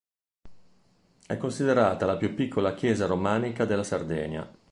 È considerata la più piccola chiesa romanica della Sardegna.